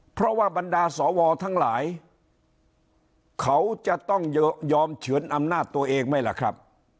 เพราะว่าบรรดาสวทั้งหลายเขาจะต้องยอมเฉือนอำนาจตัวเองไหมล่ะครับ